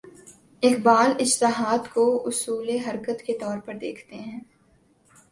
اقبال اجتہاد کو اصول حرکت کے طور پر دیکھتے ہیں۔